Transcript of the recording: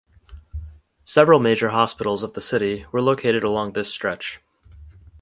Several major Hospitals of the city were located along this stretch.